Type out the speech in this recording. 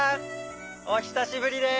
お久しぶりです。